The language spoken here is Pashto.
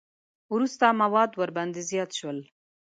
وروسته مواد ورباندې زیات شول.